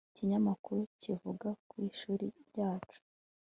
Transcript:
ikinyamakuru kivuga ku ishuri ryacu